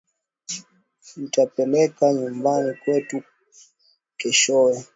Nitampeleka nyumbani kwetu keshowe